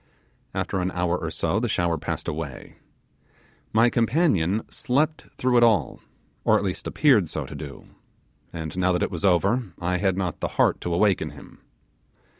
After an hour or so the shower passed away. My companion slept through it all, or at least appeared so to do; and now that it was over I had not the heart to awaken him.